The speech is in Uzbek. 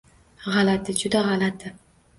G`alati, juda g`alati